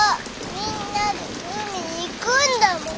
みんなで海に行くんだもん。